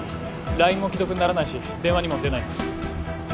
ＬＩＮＥも既読にならないし電話にも出ないんです